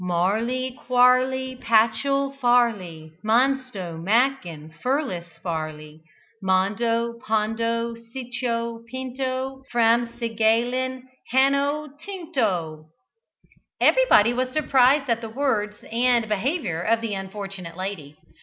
"Marley quarley pachel farley Mansto macken furlesparley, Mondo pondo sicho pinto, Framsigalen hannotinto!" Everybody was surprised at the words and behaviour of the unfortunate lady.